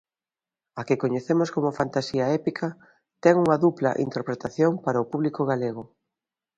A que coñecemos como fantasía épica ten unha dupla interpretación para o público galego.